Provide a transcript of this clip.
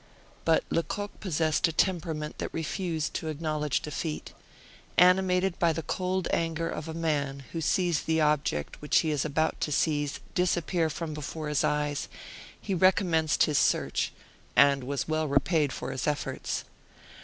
But Lecoq possessed a temperament that refused to acknowledge defeat. Animated by the cold anger of a man who sees the object which he was about to seize disappear from before his eyes, he recommenced his search, and was well repaid for his efforts.